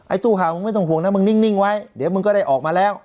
ตู้เห่ามึงไม่ต้องห่วงนะมึงนิ่งไว้เดี๋ยวมึงก็ได้ออกมาแล้ว